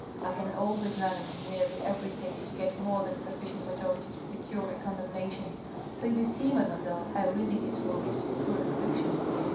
I can always manage in nearly every case to get more than a sufficient majority to secure a condemnation, so you see, mademoiselle, how easy it is for me to secure a conviction."